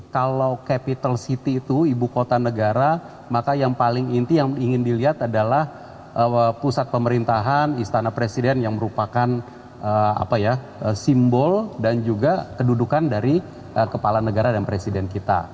kalau capital city itu ibu kota negara maka yang paling inti yang ingin dilihat adalah pusat pemerintahan istana presiden yang merupakan simbol dan juga kedudukan dari kepala negara dan presiden kita